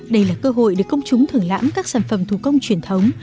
đây là cơ hội để công chúng thưởng lãm các sản phẩm thủ công truyền thống